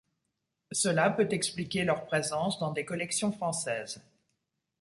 Cela peut expliquer leur présence dans des collections françaises.